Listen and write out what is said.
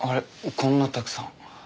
こんなたくさん。